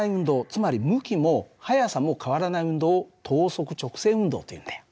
つまり向きも速さも変わらない運動を等速直線運動というんだよ。